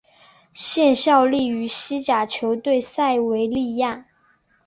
现效力于西甲球队塞维利亚。